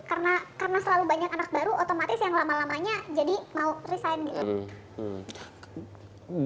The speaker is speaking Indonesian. karena selalu banyak anak baru otomatis yang lama lamanya jadi mau resign gitu